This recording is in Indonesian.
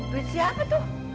berisi apa itu